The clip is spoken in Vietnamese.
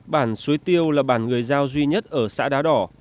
bản suối tiêu là bản người giao duy nhất ở xã đá đỏ